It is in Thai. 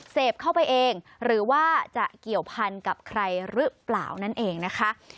เสพเข้าไปเองหรือว่าจะเกี่ยวพันกับใครหรือเปล่านั่นเองนะคะ